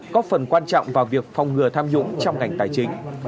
có phần quan trọng vào việc phòng ngừa tham nhũng trong ngành tài chính